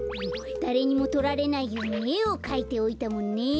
だれにもとられないようにえをかいておいたもんね。